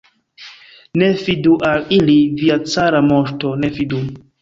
Ne fidu al ili, via cara moŝto, ne fidu!